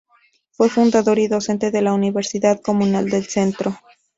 Fue fundador y docente de la Universidad Comunal del Centro.